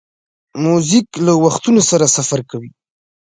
موزیک له وختونو سره سفر کوي.